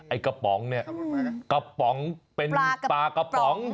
ไอ้กระป๋องเนี่ยกระป๋องเป็นปลากระป๋อง